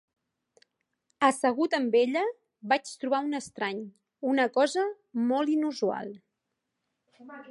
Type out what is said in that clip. Assegut amb ella, vaig trobar un estrany, una cosa molt inusual.